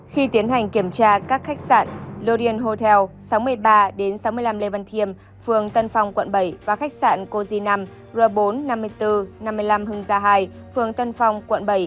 khi tiến hành kiểm tra các khách sạn lorien hotel sáu mươi ba sáu mươi năm lê văn thiêm phường tân phong quận bảy và khách sạn cozy năm r bốn năm mươi bốn năm mươi năm hưng gia hai phường tân phong quận bảy